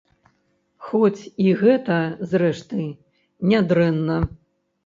Хоць і гэта, зрэшты, не дрэнна.